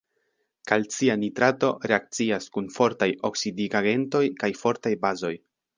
Kalcia nitrato reakcias kun fortaj oksidigagentoj kaj fortaj bazoj.